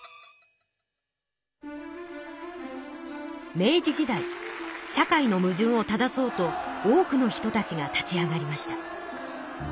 明治時代社会のむじゅんを正そうと多くの人たちが立ち上がりました。